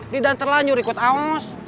lidah terlanjur ikut aos